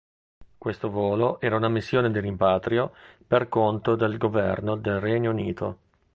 Questo volo era una missione di rimpatrio per conto del governo del Regno Unito.